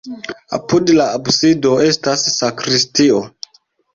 Apud la absido estas sakristio.